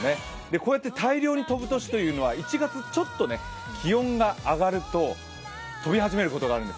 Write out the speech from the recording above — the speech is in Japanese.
こうやって大量に飛ぶ年というのは１月ちょっと気温が上がると飛び始めることがあるんです。